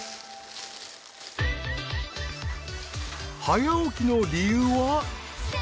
早起きの理由は。